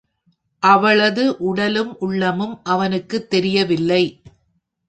அவளது உடலும், உள்ளமும் அவனுக்குத் தெரியவில்லை.